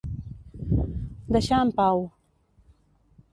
Deixar en pau.